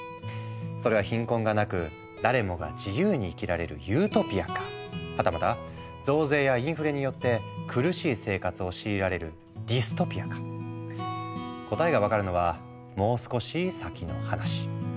それは貧困がなく誰もが自由に生きられるユートピアかはたまた増税やインフレによって苦しい生活を強いられるディストピアか答えが分かるのはもう少し先の話。